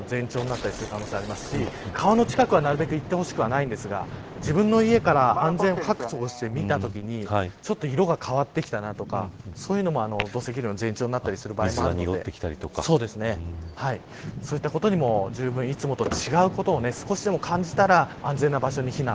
崖崩れの前兆になったりする可能性がありますし川の近くにはなるべく行ってほしくはないんですが自分の家から安全を確保して見るときにちょっと色が変わってきたとかそういうのも土石流の前兆になったりする場合もあるのでそういったことにもじゅうぶん、いつもと違うことを少しでも感じたら安全な場所に避難。